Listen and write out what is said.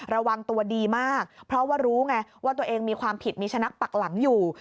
ระวังตัวดีมากเพราะว่ารู้ไงว่าตัวเองมีความผิดมีชะนักปักหลังอยู่